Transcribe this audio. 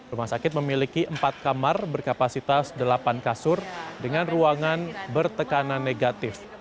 rumah sakit memiliki empat kamar berkapasitas delapan kasur dengan ruangan bertekanan negatif